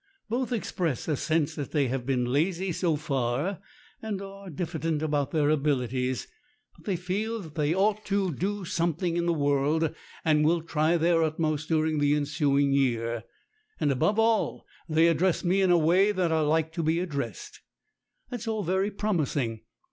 "Both express a sense that they have been lazy so far, and are diffident about their abilities, but they feel that they ought to do something in the world, and will try their utmost during the ensuing year; and, above all, they address me in a way that I like to be addressed. That's all very promising.